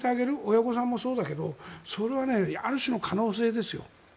親御さんもそうだけどそれはある種の可能性ですよ。